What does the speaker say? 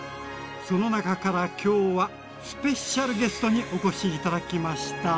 その中から今日はスペシャルゲストにお越し頂きました。